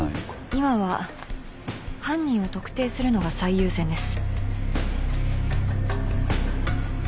今は犯人を特定するのが最優先です。